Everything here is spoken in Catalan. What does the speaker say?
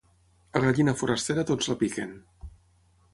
A gallina forastera tots la piquen.